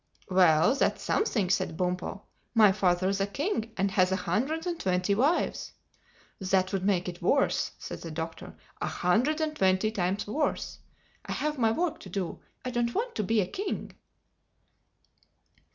"Well, that's something!" said Bumpo. "My father is a king and has a hundred and twenty wives." "That would make it worse," said the Doctor—"a hundred and twenty times worse. I have my work to do. I don't want to be a king."